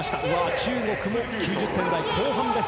中国も９０点台後半です。